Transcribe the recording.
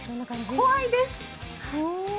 怖いです。